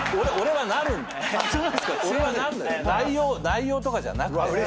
内容とかじゃなくて。